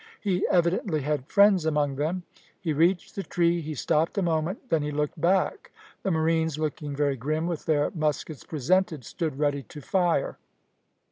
He evidently had friends among them. He reached the tree, he stopped a moment, then he looked back; the marines, looking very grim with their muskets presented, stood ready to fire.